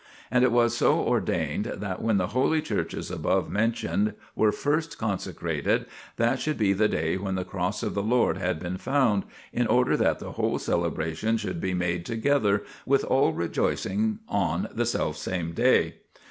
And it was so ordained that, when the holy churches above mentioned were first consecrated, that should be the day when the Cross of the Lord had been found, in order that the whole celebration should be made together, with all rejoicing, on the self same day.